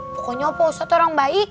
pokoknya opa ustad orang baik